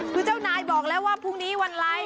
คือเจ้านายบอกแล้วว่าพรุ่งนี้วันไร้